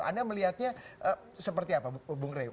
anda melihatnya seperti apa bung rey